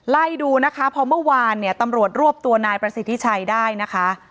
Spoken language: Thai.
ไล่ดูนะคะพอเมื่อวานเนี่ยตำรวจรวบตัวนายประสิทธิชัยได้นะคะ